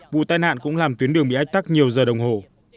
vụ tai nạn cũng làm tuyến đường bị ách tắc nhiều giờ đồng hồ